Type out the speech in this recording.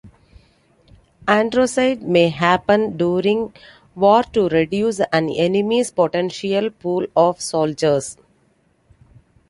Androcide may happen during war to reduce an enemy's potential pool of soldiers.